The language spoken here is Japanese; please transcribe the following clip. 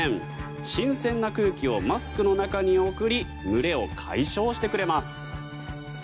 新鮮な空気をマスクの中に送り蒸れを解消してくれます。